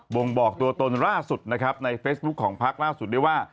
่งบอกตัวตนล่าสุดนะครับในเฟซบุ๊คของพักล่าสุดได้ว่า